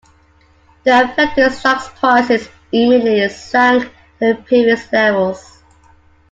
The affected stocks' prices immediately sank to their previous levels.